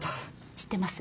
知ってます？